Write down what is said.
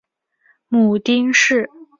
母丁氏。